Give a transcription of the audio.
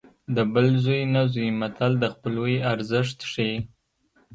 د بل زوی نه زوی متل د خپلوۍ ارزښت ښيي